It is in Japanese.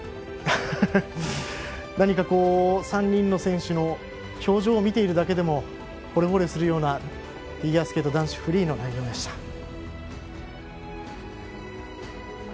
何か３人の選手の表情を見ているだけでもほれぼれするようなフィギュアスケート男子フリーの内容でした。